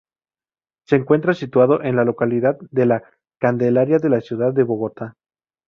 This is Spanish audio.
Se encuentra situado en la localidad de La Candelaria de la ciudad de Bogotá.